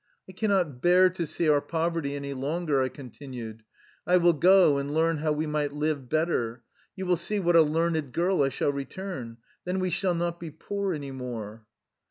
" I cannot bear to see our poverty any longer,'' I continued. " I will go and learn how we might live better. You will see what a learned girl I shall return. Then we shall not be poor any more."